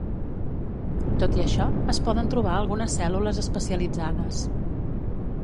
Tot i això, es poden trobar algunes cèl·lules especialitzades.